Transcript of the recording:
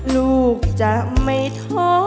ลูกจะไม่ท้อ